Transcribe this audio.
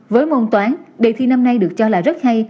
với môn toán đề thi năm nay được cho là rất hay